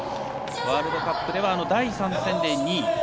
ワールドカップでは第３戦で２位。